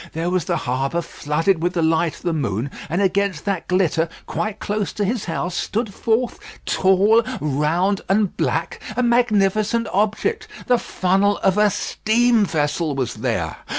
There was the harbour flooded with the light of the moon, and against that glitter, quite close to his house, stood forth, tall, round, and black, a magnificent object. The funnel of a steam vessel was there.